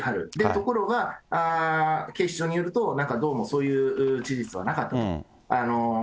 ところが、警視庁によると、なんかどうもそういう事実はなかったと。